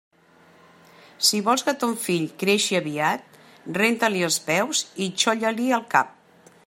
Si vols que ton fill creixi aviat, renta-li els peus i xolla-li el cap.